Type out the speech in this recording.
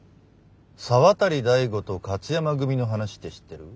沢渡大吾と勝山組の話って知ってる？